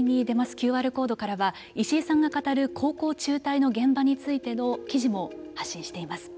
ＱＲコードからは石井さんが語る高校中退の現場についての記事も発信しています。